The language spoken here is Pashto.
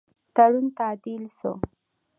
تړون تعدیل سو.